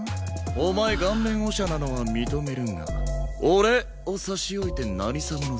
お前顔面オシャなのは認めるが俺を差し置いて何様のつもりだ？